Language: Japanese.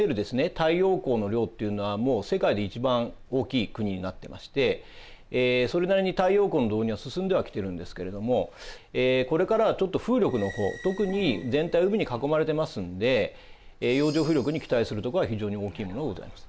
太陽光の量というのはもう世界で一番大きい国になっていましてそれなりに太陽光の導入は進んではきているんですけれどもこれからはちょっと風力の方特に全体を海に囲まれてますんで洋上風力に期待するところは非常に大きいものがございます。